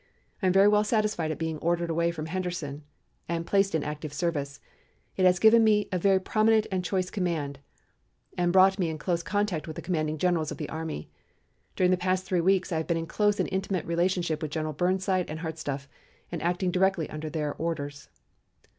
I am very well satisfied at being ordered away from Henderson and placed in active service. It has given me a very prominent and choice command, and brought me in close contact with the commanding generals of the army. During the past three weeks I have been in close and intimate relationship with Generals Burnside and Hartsuff, and acting directly under their orders.